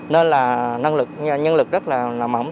nên là nhân lực rất là mỏng